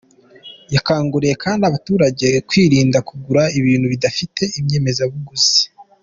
Yakanguriye kandi abaturage kwirinda kugura ibintu bidafite inyemezabuguzi.